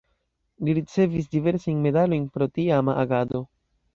Li ricevis diversajn medalojn pro tiama agado.